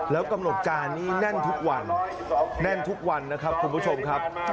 แล้วกำหนดการนี้แน่นทุกวันแน่นทุกวันนะครับคุณผู้ชมครับ